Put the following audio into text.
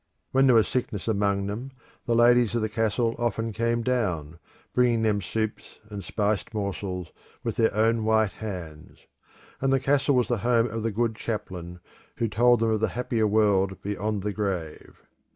When there was sickness among them, the ladies of the castle often came down, bringing them soups and spiced morsels with their own white hands; and the castle was the home of the good chaplain, who told them of the happier world beyond the grave.